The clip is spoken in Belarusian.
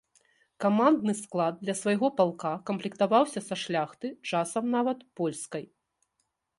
Камандны склад для свайго палка камплектаваўся са шляхты, часам нават польскай.